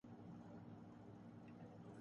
ان میں سر فہرست پارلیمان ہے۔